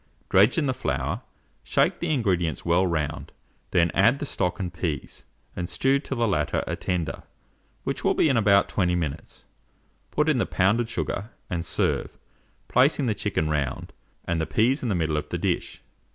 Dredge in the flour, shake the ingredients well round, then add the stock and peas, and stew till the latter are tender, which will be in about 20 minutes; put in the pounded sugar, and serve, placing the chicken round, and the peas in the middle of the dish.